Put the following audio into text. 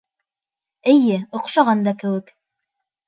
— Эйе, оҡшаған да кеүек.